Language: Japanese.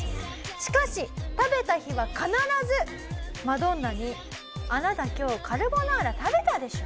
しかし食べた日は必ずマドンナに「あなた今日カルボナーラ食べたでしょ」。